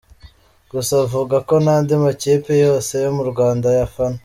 Gusa avuga ko n’andi makipe yose yo mu Rwanda ayafana.